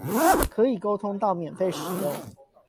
可以溝通到免費使用